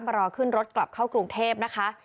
รอขึ้นรถกลับเข้ากรุงเทพนะคะ